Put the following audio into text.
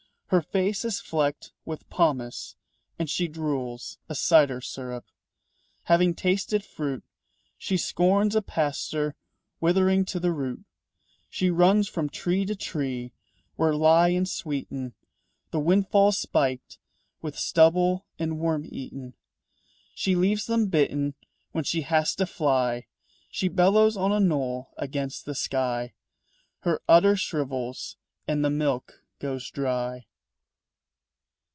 Her face is flecked with pomace and she drools A cider syrup. Having tasted fruit, She scorns a pasture withering to the root. She runs from tree to tree where lie and sweeten The windfalls spiked with stubble and worm eaten. She leaves them bitten when she has to fly. She bellows on a knoll against the sky. Her udder shrivels and the milk goes dry.